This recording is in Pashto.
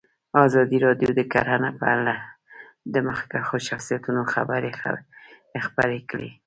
ازادي راډیو د کرهنه په اړه د مخکښو شخصیتونو خبرې خپرې کړي.